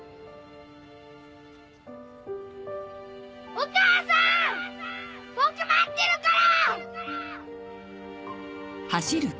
お母さん僕待ってるから！